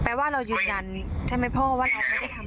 แปลว่าเรายืดกันใช่ไหมพ่อว่า